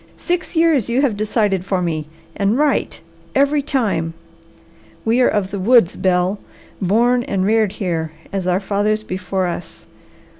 "Six years you have decided for me, and right every time! We are of the woods, Bel, born and reared here as our fathers before us.